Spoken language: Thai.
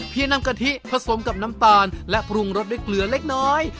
น้ำกะทิผสมกับน้ำตาลและปรุงรสด้วยเกลือเล็กน้อย